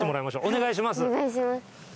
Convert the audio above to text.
お願いします。